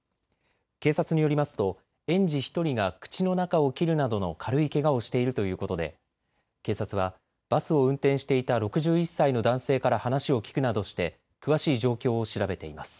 警察によりますと園児１人が口の中を切るなどの軽いけがをしているということで警察はバスを運転していた６１歳の男性から話を聞くなどして詳しい状況を調べています。